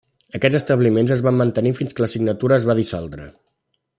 Aquests establiments es van mantenir fins que la signatura es va dissoldre.